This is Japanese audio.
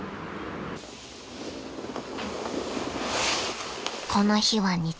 ［この日は日曜日］